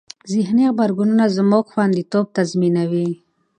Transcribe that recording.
ذهني غبرګونونه زموږ خوندیتوب تضمینوي.